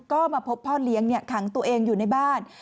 ก็มาพบพ่อเลี้ยงขังตัวเองอยู่ในบ้าน